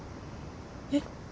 えっ？